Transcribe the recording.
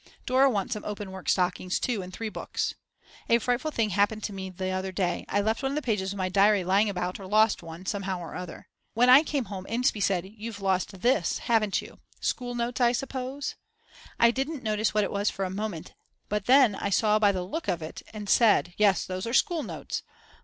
Dora wants some openwork stockings too and three books. A frightful thing happened to me the other day. I left one of the pages of my diary lying about or lost one somehow or other. When I came home Inspee said: "you've lost this, haven't you? School notes I suppose?" I didn't notice what it was for a moment, but then I saw by the look of it and said: Yes, those are school notes.